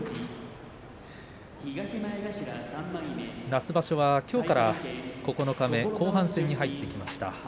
夏場所はきょうから九日目後半戦に入ってきました。